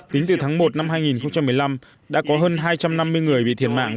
tính từ tháng một năm hai nghìn một mươi năm đã có hơn hai trăm năm mươi người bị thiệt mạng